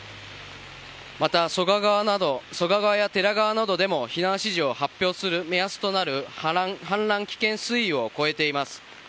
また、曽我川や寺川などでも避難指示を発表する目安となる氾濫危険水位を越えています。